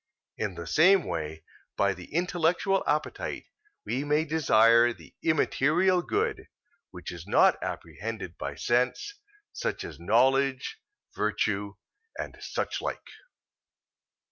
In the same way by the intellectual appetite we may desire the immaterial good, which is not apprehended by sense, such as knowledge, virtue, and suchlike.